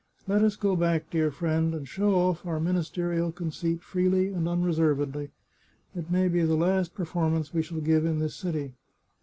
Let us go back, dear friend, and show off our ministerial conceit freely and unreservedly ; it may be the last perform ance we shall give in this city.